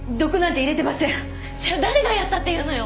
じゃあ誰がやったっていうのよ？